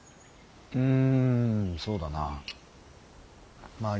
うんそうだなまあ